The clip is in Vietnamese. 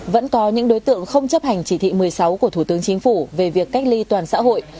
vẫn có những đối tượng không chấp hành chỉ thị một mươi sáu của thủ tướng chính phủ về việc cách ly toàn xã hội